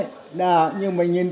trong khi bác gặp ông